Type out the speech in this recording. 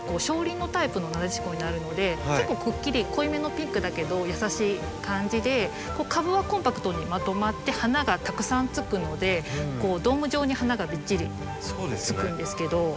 小輪のタイプのナデシコになるので結構くっきり濃いめのピンクだけど優しい感じで株はコンパクトにまとまって花がたくさんつくのでドーム状に花がびっちりつくんですけど。